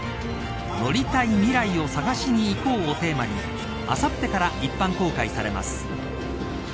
乗りたい未来を、探しに行こうをテーマにあさってから一般公開されます。